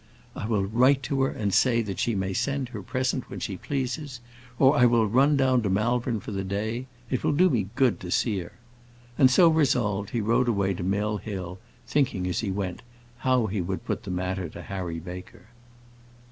"I will write to her and say that she may send her present when she pleases. Or I will run down to Malvern for a day. It will do me good to see her." And so resolved, he rode away to Mill Hill, thinking, as he went, how he would put the matter to Harry Baker.